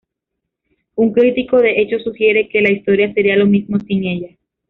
Un crítico, de hecho, sugiere que "la historia sería lo mismo sin ella".